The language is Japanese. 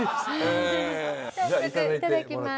早速いただきます。